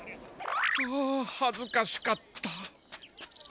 ああはずかしかった。